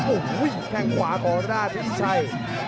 โอ้โฮแข่งขวาของหน้าพิชัย